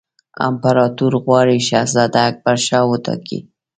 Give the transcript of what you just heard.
امپراطور غواړي شهزاده اکبرشاه وټاکي.